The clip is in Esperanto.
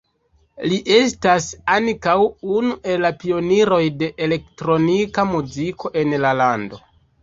Li estas ankaŭ unu el la pioniroj de elektronika muziko en la lando.